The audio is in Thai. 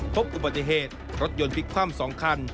พบอุบัติเหตุรถยนต์พลิกคว่ำ๒คัน